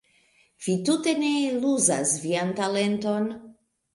Vi tute ne eluzas vian talenton.